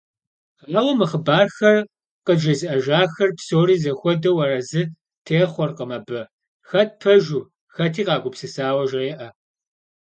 Ауэ мы хъыбархэр къыджезыӏэжахэр псори зэхуэдэу арэзы техъуэркъым абы, хэт пэжу, хэти къагупсысауэ жеӏэ.